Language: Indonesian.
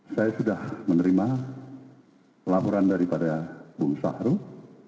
saya sudah menerima laporan daripada bung sahrul